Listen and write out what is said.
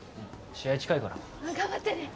試合近いから頑張ってね